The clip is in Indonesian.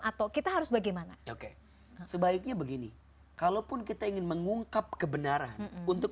atau kita harus bagaimana oke sebaiknya begini kalaupun kita ingin mengungkap kebenaran untuk